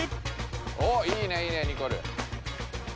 おっいいねいいねニコル。